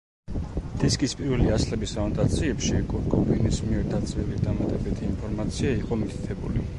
დისკის პირველი ასლების ანოტაციებში კურტ კობეინის მიერ დაწერილი დამატებითი ინფორმაცია იყო მითითებული.